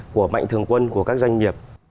của mạnh thường quân của các doanh nghiệp